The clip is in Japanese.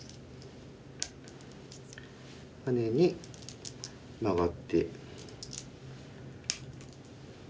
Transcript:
ハネにマガって。